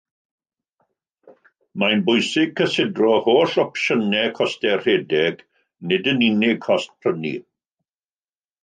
Mae'n bwysig cysidro holl opsiynau costau rhedeg, nid yn unig cost prynu